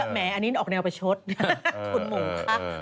อันนี้ครั้งนี้ออกแนวประชรทคุณหมู่ค่ะ